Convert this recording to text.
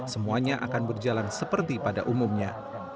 semuanya akan berjalan seperti pada umumnya